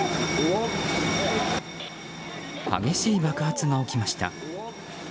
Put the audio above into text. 激しい爆発が起きました。